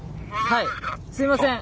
はいすいません！